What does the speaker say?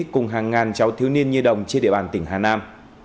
cùng hàng ngàn cháu thiếu niên nhi đồng trên địa bàn tỉnh hà nam